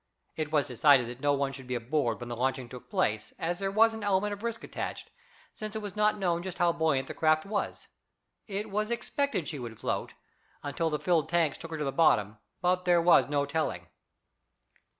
It was decided that no one should be aboard when the launching took place, as there was an element of risk attached, since it was not known just how buoyant the craft was. It was expected she would float, until the filled tanks took her to the bottom, but there was no telling.